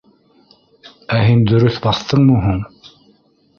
— Ә һин дөрөҫ баҫтыңмы һуң?